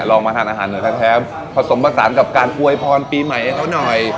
ลองมาทานอาหารเหนือแท้ผสมผสานกับการอวยพรปีใหม่ให้เขาหน่อย